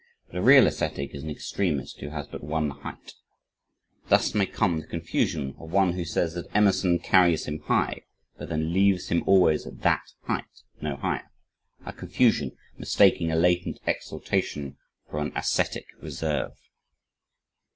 But a real ascetic is an extremist who has but one height. Thus may come the confusion, of one who says that Emerson carries him high, but then leaves him always at THAT height no higher a confusion, mistaking a latent exultation for an ascetic reserve.